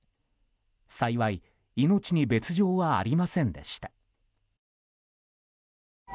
幸い命に別条はありませんでした。